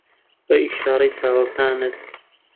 بە ئیشارەی چاوەکانت